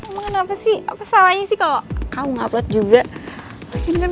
yaudah sini aku uploadin